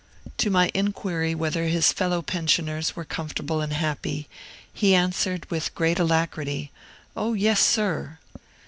To my inquiry whether his fellow pensioners were comfortable and happy, he answered, with great alacrity, "O yes, sir!"